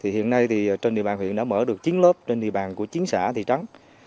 hiện nay trên địa bàn huyện đã mở được chín lớp trên địa bàn của chín xã thị trấn